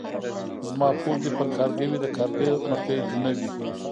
زما پور دي پر کارگه وي ،د کارگه مرگى دي نه وي.